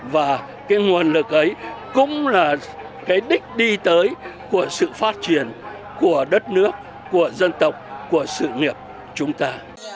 và cái nguồn lực ấy cũng là cái đích đi tới của sự phát triển của đất nước của dân tộc của sự nghiệp chúng ta